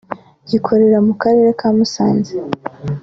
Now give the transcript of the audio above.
gikorera mu Karere ka Musanze